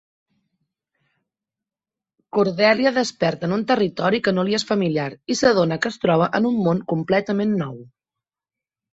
Cordelia desperta en un territori que no li és familiar, i s'adona que es troba en un món completament nou.